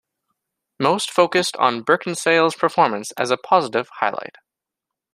Most focused on Beckinsale's performance as a positive highlight.